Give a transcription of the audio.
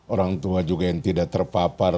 orang tua juga yang tidak terpapar